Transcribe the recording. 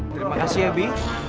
terima kasih ya bi